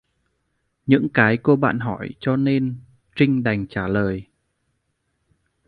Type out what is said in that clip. Những cái cô bạn hỏi cho nên Trinh đánh trả lời